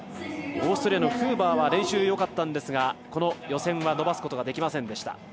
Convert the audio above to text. オーストリアのフーバーは練習よかったんですが予選は伸ばすことはできませんでした。